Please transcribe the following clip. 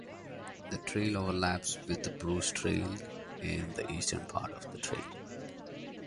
The trail overlaps with the Bruce Trail in the eastern part of the trail.